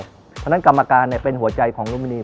เพราะฉะนั้นกรรมการเป็นหัวใจของลุมินี